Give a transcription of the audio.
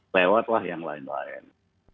lewatlah yang lain lain